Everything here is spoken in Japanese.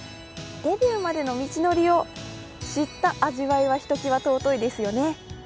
デビューまでの道のりを知った味わいは、ひときわ尊いですよね。